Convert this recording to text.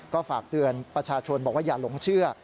ก็ฝากเตือนประชาชนบอกว่าอย่าหลงเชื่อ